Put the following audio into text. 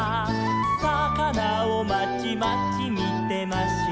「さかなをまちまちみてました」